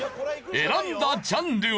選んだジャンルは。